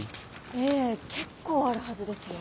ええ結構あるはずですよ。